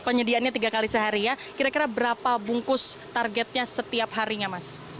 penyediaannya tiga kali sehari ya kira kira berapa bungkus targetnya setiap harinya mas